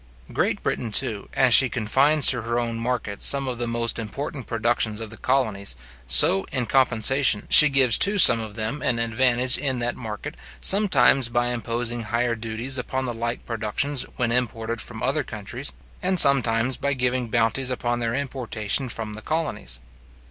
Great Britain, too, as she confines to her own market some of the most important productions of the colonies, so, in compensation, she gives to some of them an advantage in that market, sometimes by imposing higher duties upon the like productions when imported from other countries, and sometimes by giving bounties upon their importation from the colonies.